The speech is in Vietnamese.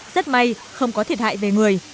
rất may không có thiệt hại về người